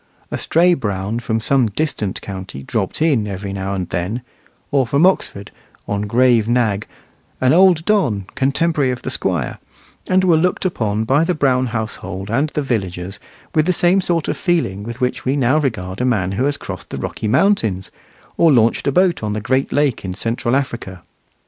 A stray Brown from some distant county dropped in every now and then; or from Oxford, on grave nag, an old don, contemporary of the Squire; and were looked upon by the Brown household and the villagers with the same sort of feeling with which we now regard a man who has crossed the Rocky Mountains, or launched a boat on the Great Lake in Central Africa.